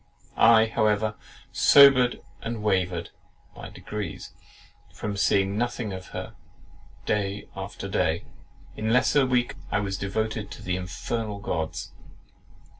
I, however, sobered and wavered (by degrees) from seeing nothing of her, day after day; and in less than a week I was devoted to the Infernal Gods.